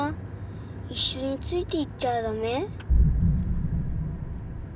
一緒についていっちゃダメ？